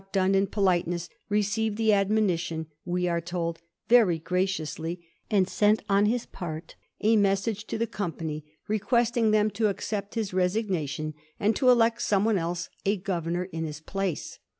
xu done in politeness, received the admonition, we are told, * very graciously,' and sent on his part a mes sage to the Company requesting them to accept hia resignation, and to elect someone else a governor in his place.